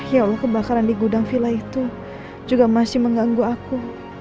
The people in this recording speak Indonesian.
ya allah kebakaran di gudang villa itu juga masih mengganggu aku